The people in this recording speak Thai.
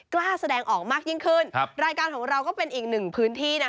กล้าแสดงออกมายิ่งขึ้นรายการของเราก็เป็นอีกหนึ่งพื้นที่นะคะ